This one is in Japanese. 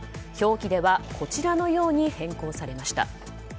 表記ではこちらのように変更されました。